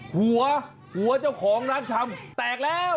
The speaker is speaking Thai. หัวหัวเจ้าของร้านชำแตกแล้ว